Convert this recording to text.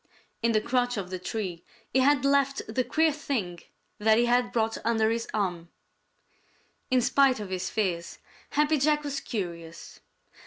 In the crotch of the tree he had left the queer thing that he had brought under his arm. In spite of his fears, Happy Jack was curious.